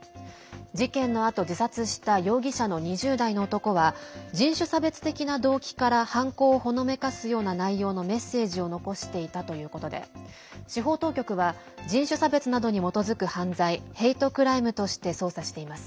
事件のあと自殺した容疑者の２０代の男は人種差別的な動機から犯行をほのめかすような内容のメッセージを残していたということで司法当局は人種差別などに基づく犯罪、ヘイトクライムとして捜査しています。